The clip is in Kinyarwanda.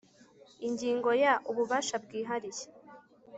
Ingingo ya Ububasha bwihariye